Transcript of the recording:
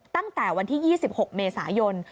ตั้งแต่วันที่๒๖เมษายน